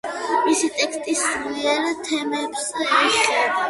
მისი ტექსტი სულიერ თემებს ეხება.